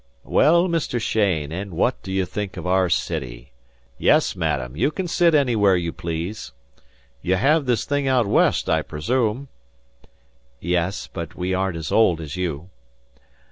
"Well, Mr. Cheyne, and what d'you think of our city? Yes, madam, you can sit anywhere you please. You have this kind of thing out West, I presume?" "Yes, but we aren't as old as you."